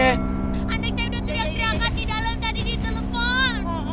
anak saya udah teriak teriakan di dalam tadi di telepon